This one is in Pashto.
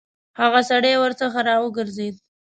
هغه سړی ورڅخه راوګرځېد.